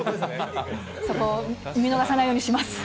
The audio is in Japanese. そこを見逃さないようにします。